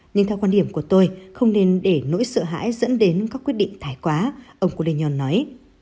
nhưng theo quan điểm của tôi không nên để nỗi sợ hãi dẫn đến các quyết định thải quá ông kudenong nói